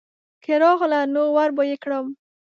که راغله نو وربه یې کړم.